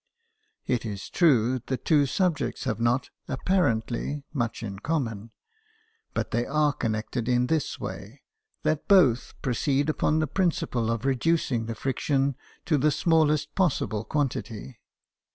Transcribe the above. It is true, the GEORGE STEPHENSON, ENGINE MAN. 41 two subjects have not, apparently, much in common; but they are connected in this way, that both proceed upon the principle of re duc ng the friction to the smallest possible quan tity.